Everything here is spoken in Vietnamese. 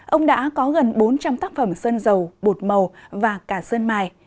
ông đã có gần bốn trăm linh tác phẩm sơn dầu bột màu và cả sơn mài